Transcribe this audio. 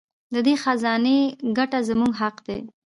د دې خزانې ګټه زموږ حق دی.